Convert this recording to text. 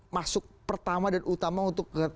masuk pertama dan utama untuk